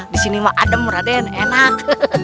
disini mah adem raden enak